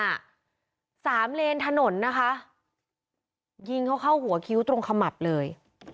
ระหาง๓ฤนฐานนต์นะยิงเขาเข้าหัวคิ้วตรงขมาบเลย